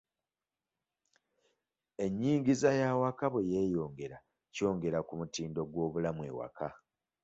Enyingiza y'awaka bwe yeyongera ky'ongera ku mutindo gw'obulamu ewaka.